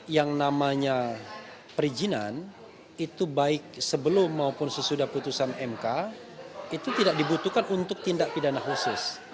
yang namanya perizinan itu baik sebelum maupun sesudah putusan mk itu tidak dibutuhkan untuk tindak pidana khusus